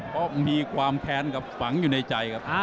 เพราะมีความแค้นกับฝังอยู่ในใจครับ